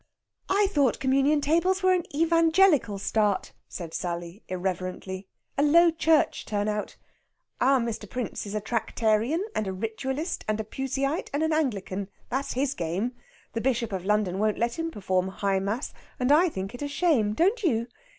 "I thought Communion tables were an Evangelical start," said Sally irreverently. "A Low Church turn out. Our Mr. Prince is a Tractarian, and a Ritualist, and a Puseyite, and an Anglican. That's his game! The Bishop of London won't let him perform High Mass, and I think it a shame! Don't you?...